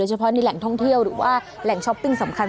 เฉพาะในแหล่งท่องเที่ยวหรือว่าแหล่งช้อปปิ้งสำคัญ